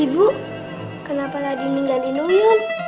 ibu kenapa tadi minggalin uyan